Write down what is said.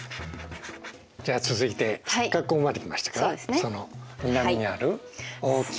じゃあ続いてせっかくここまで来ましたからその南にある大きな島は何でしょう。